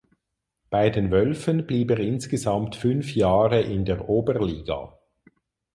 Bei den Wölfen blieb er insgesamt fünf Jahre in der Oberliga.